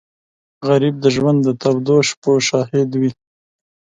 غریب د ژوند د تودو شپو شاهد وي